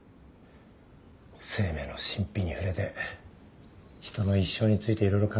生命の神秘に触れて人の一生について色々考えた。